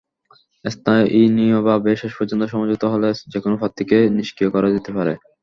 স্থানীয়ভাবে শেষ পর্যন্ত সমঝোতা হলে যেকোনো প্রার্থীকে নিষ্ক্রিয় করা যেতে পারে।